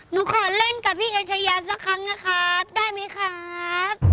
ดูขอเล่นกับพี่กับชายามิชัยครับได้มั้ยครับ